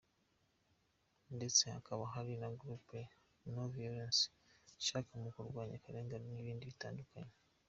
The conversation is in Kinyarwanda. Ndetse hakaba hari na Groupe no violence ifasha mu kurwanya akarengane n’ibindi bitandukanye.